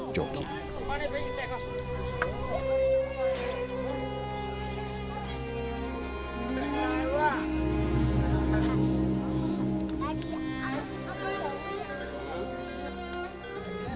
sapi sebanyak itu akan dipacu hanya oleh sembilan orang joki